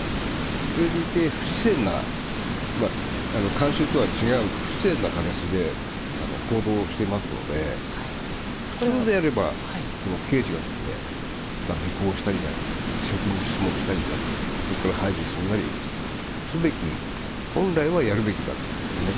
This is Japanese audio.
それでいて、観衆とは違う不自然な形で行動をしていますので普通であれば刑事が尾行したりなり職務質問をしたりなりそこから排除すべきなど本来はやるべきだと思います。